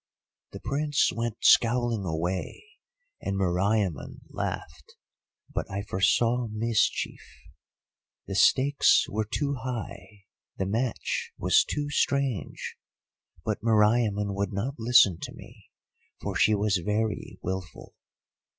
"The Prince went scowling away, and Meriamun laughed, but I foresaw mischief. The stakes were too high, the match was too strange, but Meriamun would not listen to me, for she was very wilful.